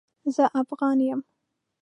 زه افغان يم